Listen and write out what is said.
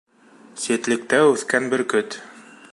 Ситлектә үҫкән бөркөт.